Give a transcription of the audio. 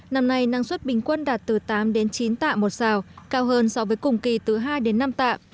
năm nay năng suất bình quân đạt từ tám chín tạ một sào cao hơn so với cùng kỳ từ hai năm tạ